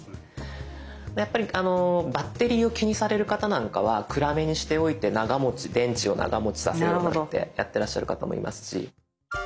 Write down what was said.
やっぱりバッテリーを気にされる方なんかは暗めにしておいて長持ち電池を長持ちさせようってやってらっしゃる方もいますし。